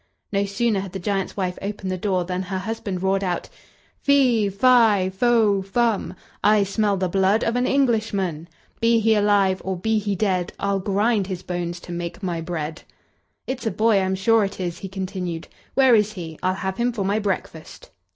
No sooner had the giant's wife opened the door than her husband roared out: "Fee, fi, fo, fum, I smell the blood of an Englishman; Be he alive, or be he dead, I'll grind his bones to make my bread!" "It's a boy, I'm sure it is," he continued. "Where is he? I'll have him for my breakfast."